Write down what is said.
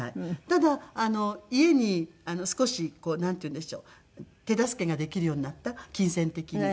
ただ家に少しなんていうんでしょう手助けができるようになった金銭的に。